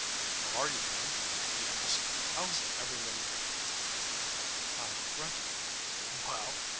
"How are you, Ben?" he asked. "How's every little thing?" I grunted. "_Well?